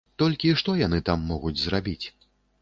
Толькі што яны там могуць зрабіць?